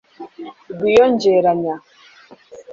rwiyongeranya